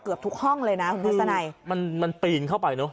เกือบทุกห้องเลยนะคุณทัศนัยมันมันปีนเข้าไปเนอะ